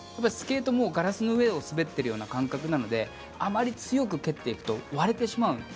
スケートもガラスの上を滑っているような感覚なのであまり強く蹴っていくと割れてしまう。